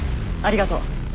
ありがとう。